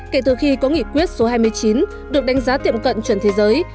kể từ khi có nghị quyết số hai mươi chín được đánh giá tiệm cận chuẩn thế giới